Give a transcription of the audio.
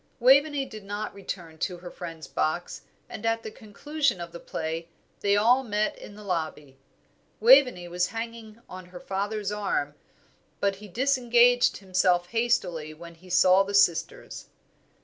Waveney did not return to her friends' box, and at the conclusion of the play they all met in the lobby. Waveney was hanging on her father's arm, but he disengaged himself hastily when he saw the sisters.